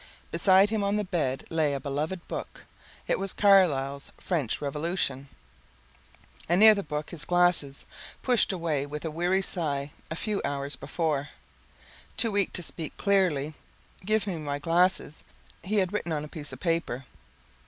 Beside him on the bed lay a beloved book it was Carlyle's "French Revolution" and near the book his glasses, pushed away with a weary sigh a few hours before. Too weak to speak clearly, "Give me my glasses," he had written on a piece of paper.